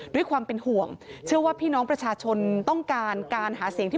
ด้วยความเป็นห่วงเชื่อว่าพี่น้องประชาชนต้องการ